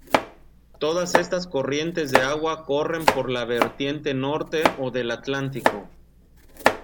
Todas estas corrientes de agua corren por la vertiente Norte o del Atlántico.